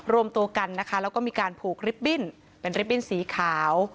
รวมตัวกันนะคะแล้วก็มีการผูกริบบิ้นเป็นริบบิ้นสีขาว